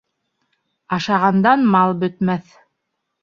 Ашағандан мал бөтмәҫ